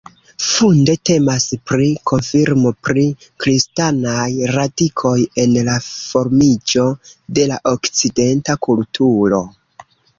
Funde temas pri konfirmo pri kristanaj radikoj en la formiĝo de la okcidenta kulturo.